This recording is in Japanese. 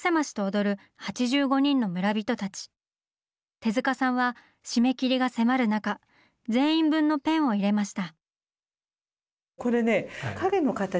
手さんは締め切りが迫る中全員分のペンを入れました。